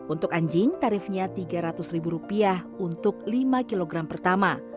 untuk anjing tarifnya tiga ratus ribu rupiah untuk lima kilogram pertama